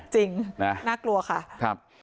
จริงน่ากลัวค่ะครับ